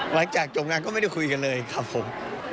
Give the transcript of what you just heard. หลังจากจบงานก็ไม่ได้คุยกันเลยครับผม